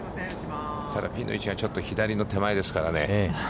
ただ、ピンの位置がちょっと左の手前ですからね。